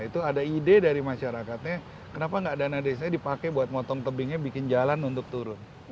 itu ada ide dari masyarakatnya kenapa nggak dana desanya dipakai buat motong tebingnya bikin jalan untuk turun